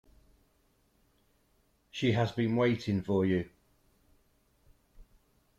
She has been waiting for you.